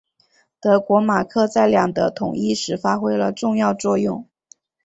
德国马克在两德统一时发挥了重要作用。